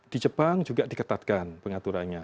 di jepang juga diketatkan pengaturannya